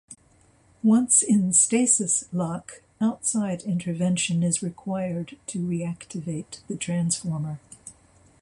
Once in stasis lock, outside intervention is required to reactivate the Transformer.